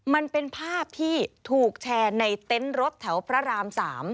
มันเป็นภาพที่ถูกแชร์ในเต็นต์รถแถวพระราม๓